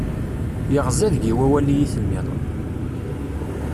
Yeɣza deg-i wawal iyi-tenniḍ.